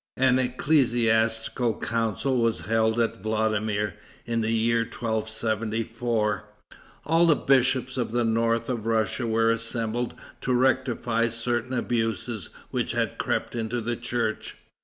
An ecclesiastical council was held at Vladimir, in the year 1274. All the bishops of the north of Russia were assembled to rectify certain abuses which had crept into the church.